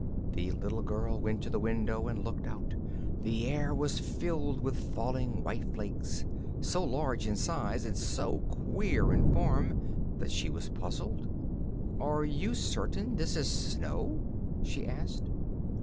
The little girl went to the window and looked out. The air was filled with falling white flakes, so large in size and so queer in form that she was puzzled. "Are you certain this is snow?" she asked.